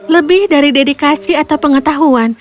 lebih dari dedikasi atau pengetahuan